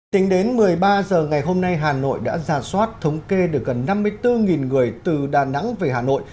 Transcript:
tính đến một mươi ba h ngày hôm nay hà nội đã ra soát thống kê được gần năm mươi bốn người từ đà nẵng về hà nội